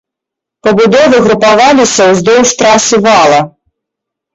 Пабудовы групаваліся ўздоўж трасы вала.